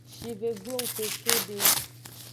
Shive glong kekede.